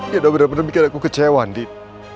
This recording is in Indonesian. ya udah bener bener mikir aku kecewa andin